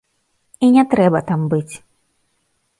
І не трэба там быць.